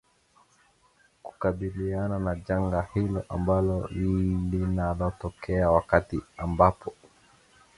kukabiliana na janga hilo ambalo linatokea wakti ambapo